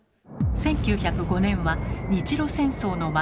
１９０５年は日露戦争の真っただ中。